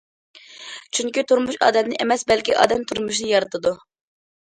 چۈنكى، تۇرمۇش ئادەمنى ئەمەس، بەلكى ئادەم تۇرمۇشنى يارىتىدۇ.